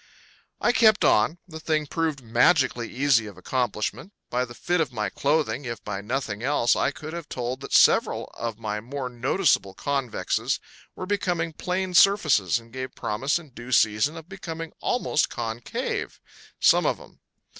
I kept on. The thing proved magically easy of accomplishment. By the fit of my clothing, if by nothing else, I could have told that several of my more noticeable convexes were becoming plane surfaces and gave promise in due season of becoming almost concave, some of 'em.